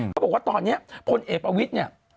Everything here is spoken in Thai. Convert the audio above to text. เขาบอกว่าตอนนี้พลเอกประวิทย์เนี่ย